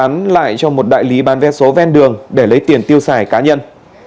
bán lại cho một đại lý bán vé số ven đường để lấy tiền tiêu xài cá nhân